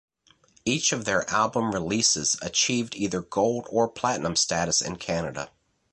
Each of their album releases achieved either gold or platinum status in Canada.